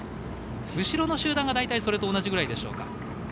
後ろの集団が大体それと同じぐらいでしょうか。